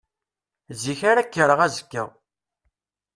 Zik ara kkreɣ azekka.